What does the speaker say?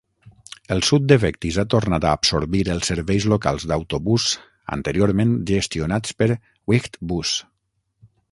El sud de Vectis ha tornat a absorbir els serveis locals d'autobús anteriorment gestionats per Wightbus.